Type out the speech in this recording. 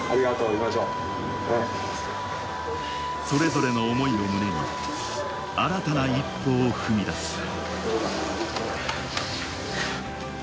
それぞれの想いを胸に、新たな一歩を踏み出す。